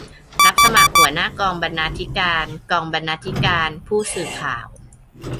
รับสมัครหัวหน้ากองบรรณาธิการ-กองบรรณาธิการ-ผู้สื่อข่าว